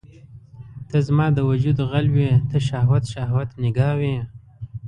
ته زما د وجود غل وې ته شهوت، شهوت نګاه وي